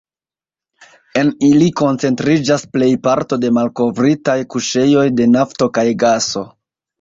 En ili koncentriĝas plejparto de malkovritaj kuŝejoj de nafto kaj gaso.